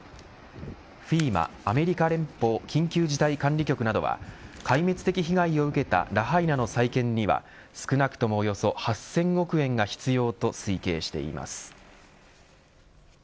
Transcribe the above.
ＦＥＭＡ＝アメリカ連邦緊急事態管理局などは壊滅的被害を受けたラハイナの再建には少なくともおよそ８０００億円が必要と推計しています。